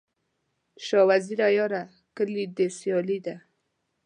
شاه وزیره یاره، کلي دي سیالي ده